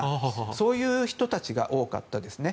そういう人たちが多かったですね。